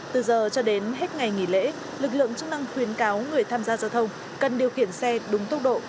từ giờ cho đến hết ngày nghỉ lễ lực lượng chức năng khuyến cáo người tham gia giao thông cần điều khiển xe đúng tốc độ